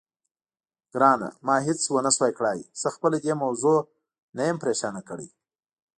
ګرانه، ما هېڅ ونه شوای کړای، زه خپله دې موضوع نه یم پرېشانه کړې.